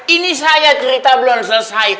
ini saya cerita belum selesai